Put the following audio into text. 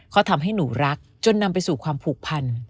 เขาทำให้หนูรักจนนำไปสู่ความผูกพัน